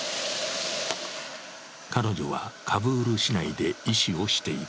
彼女はカブール市内で医師をしている。